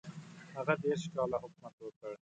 هغه دېرش کاله حکومت وکړ.